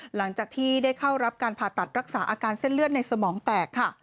หลังจากที่ได้เข้ารับการผ่าตัดรักษาอาการเส้นเลือดในสมองแตกค่ะ